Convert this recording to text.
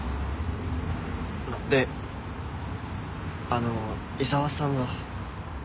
であの伊沢さんは？